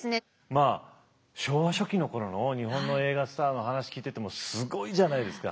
まあ昭和初期の頃の日本の映画スターの話聞いててもすごいじゃないですか。